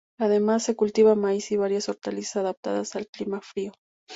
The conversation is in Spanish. Además se cultiva maíz y varias hortalizas adaptadas al clima frío.